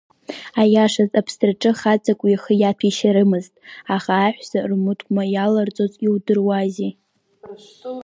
Аиашаз, аԥсраҿы хаҵак уи ихы иаҭәеишьарымызт, аха аҳәса рмыткәма иаларҵоз иудыруази.